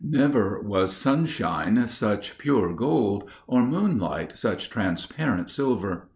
Never was sunshine such pure gold, or moonlight such transparent silver.